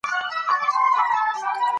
مزارشریف د افغانانو د ژوند طرز اغېزمنوي.